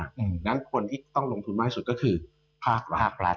หนึ่งนั้นคนที่ต้องลงทุนมากที่สุดก็คือภาครัฐ